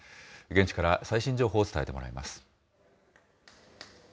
現地から最新情報を伝えてもらいます。